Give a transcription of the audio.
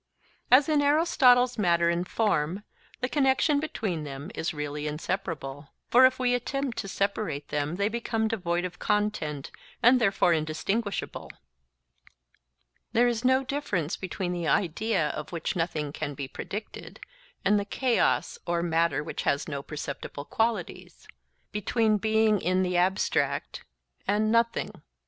As in Aristotle's matter and form the connexion between them is really inseparable; for if we attempt to separate them they become devoid of content and therefore indistinguishable; there is no difference between the idea of which nothing can be predicated, and the chaos or matter which has no perceptible qualities—between Being in the abstract and Nothing.